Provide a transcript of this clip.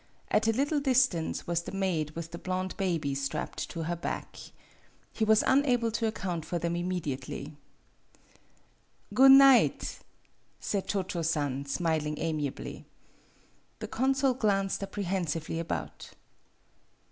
At a little distance was the maid with the blond baby strapped to her back. He was unable to account for them imme diately. " Goon night, "said Cho Cho San, smiling amiably. The consul glanced apprehensively about.